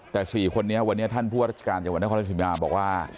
แต่๔คนนี้วันนี้ท่านผู้ว่าราชการจังหวัดนครราชสิมาบอกว่า